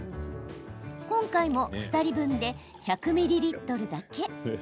今回も２人分で１００ミリリットルだけ。